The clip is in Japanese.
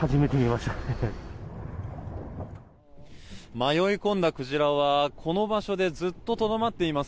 迷い込んだクジラはこの場所でずっととどまっています。